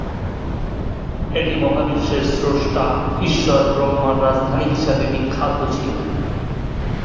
এটি মহাবিশ্বের স্রষ্টা ঈশ্বর ব্রহ্মার রাজধানী হিসাবে বিখ্যাত ছিল।